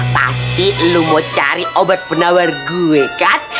pasti lo mau cari obat penawar gue kan